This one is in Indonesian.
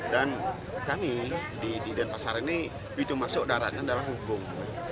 dan kami di denpasar ini itu masuk daratnya dalam hubung